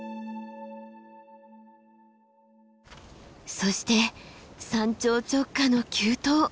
そして山頂直下の急登。